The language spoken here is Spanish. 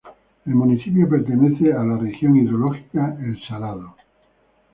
El municipio pertenece a la región hidrológica El Salado.